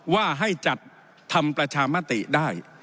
ว่าให้จัดทำประชามติได้